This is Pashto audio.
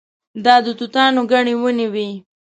دا د توتانو ګڼې ونې وې.